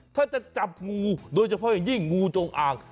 ถ้าจะจับงูโดยเฉพาะอย่างยิ่งงูจงอ่าง